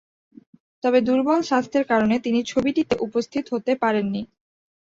তবে দূর্বল স্বাস্থ্যের কারণে তিনি ছবিটিতে উপস্থিত হতে পারেননি।